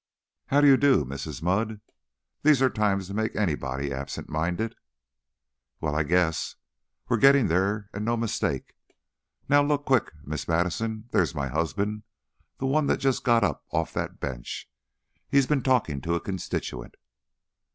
"How do you do, Mrs. Mudd? These are times to make anybody absent minded." "Well, I guess! We're gettin' there and no mistake. Now look quick, Miss Madison there's my husband, the one that's just got up off that bench. He's been talkin' to a constituent."